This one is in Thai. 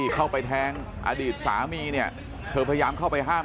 เข้าไปแทงอดีตสามีเนี่ยเธอพยายามเข้าไปห้าม